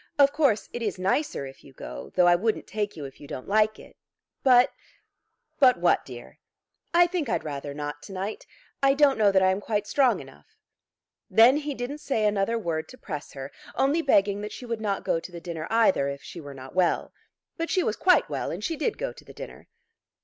Of course it is nicer if you go; though I wouldn't take you if you don't like it. But " "But what, dear?" "I think I'd rather not to night. I don't know that I am quite strong enough." Then he didn't say another word to press her, only begging that she would not go to the dinner either if she were not well. But she was quite well, and she did go to the dinner.